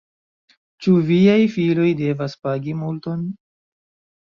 Ĉu viaj filoj devas pagi multon?